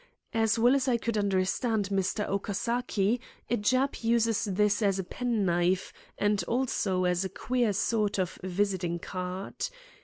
As well as I could understand Mr. Okasaki, a Jap uses this as a pen knife, and also as a queer sort of visiting card.